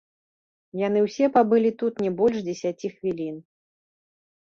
Яны ўсе пабылі тут не больш дзесяці хвілін.